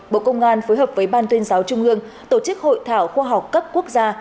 bộ công an phối hợp với ban tuyên giáo trung ương tổ chức hội thảo khoa học cấp quốc gia